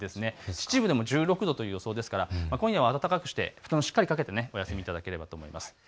秩父でも１６度という予想ですから今夜は暖かくして、布団をしっかりかけてお休みいただければと思います。